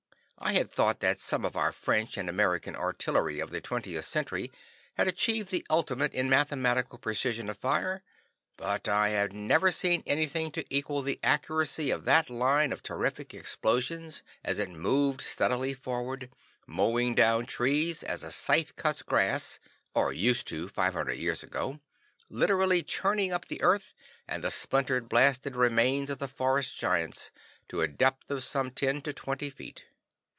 I had thought that some of our French and American artillery of the 20th Century had achieved the ultimate in mathematical precision of fire, but I had never seen anything to equal the accuracy of that line of terrific explosions as it moved steadily forward, mowing down trees as a scythe cuts grass (or used to 500 years ago), literally churning up the earth and the splintered, blasted remains of the forest giants, to a depth of from ten to twenty feet.